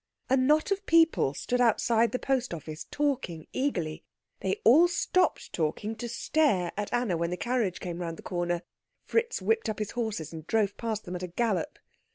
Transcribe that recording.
A knot of people stood outside the post office talking eagerly. They all stopped talking to stare at Anna when the carriage came round the corner. Fritz whipped up his horses and drove past them at a gallop.